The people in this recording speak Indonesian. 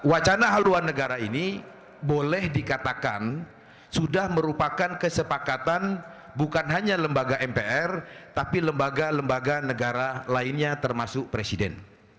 wacana haluan negara ini boleh dikatakan sudah merupakan kesepakatan bukan hanya lembaga mpr tapi lembaga lembaga negara lainnya termasuk presiden